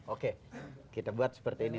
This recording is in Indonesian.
oke kita buat seperti ini